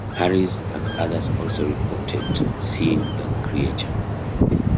Harris and others also reported seeing the creature.